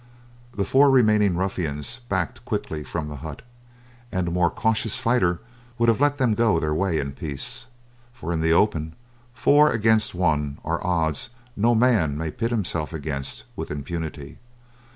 The four remaining ruffians backed quickly from the hut, and a more cautious fighter would have let them go their way in peace, for in the open, four against one are odds no man may pit himself against with impunity.